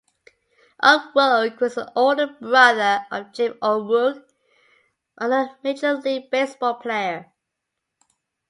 O'Rourke was the older brother of Jim O'Rourke, another major league baseball player.